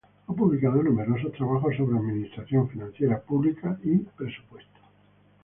Ha publicado numerosos trabajos sobre administración financiera pública y presupuesto.